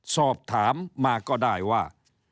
สอบถามมาก็ได้ว่า